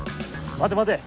待て待て！